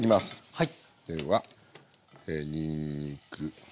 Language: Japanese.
はい。